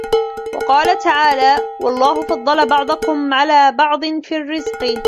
وَقَالَ اللَّهُ تَعَالَى وَاَللَّهُ فَضَّلَ بَعْضَكُمْ عَلَى بَعْضٍ فِي الرِّزْقِ